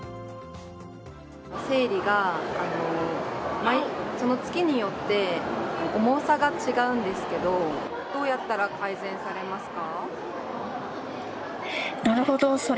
生理が、その月によって重さが違うんですけどどうやったら改善されますか。